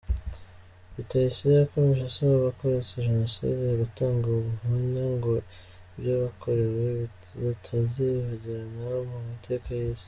Rutayisire yakomeje asaba abarokotse Jenoside gutanga ubuhamya ngo ibyabakorewe bitazibagirana mu mateka y’isi.